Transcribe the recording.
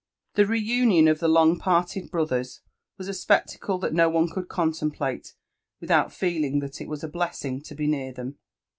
The reunion of the long parted brothers was a spectacle that no one could contemplate without feeling that it was a blessing to be near thep.